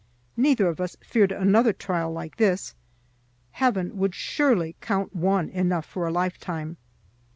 Neither of us feared another trial like this. Heaven would surely count one enough for a lifetime.